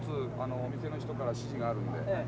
お店の人から指示があるんで。